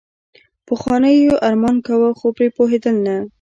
پخوانیو يې ارمان کاوه خو پرې پوهېدل نه.